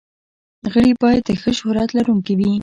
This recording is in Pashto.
غړي باید د ښه شهرت لرونکي وي.